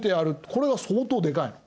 これが相当でかいの。